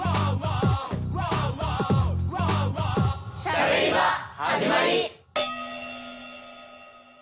「しゃべり場」始まり！